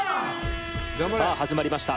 さあ始まりました